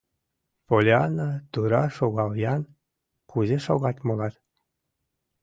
Поллианна, тура шогал-ян, кузе шогат молат.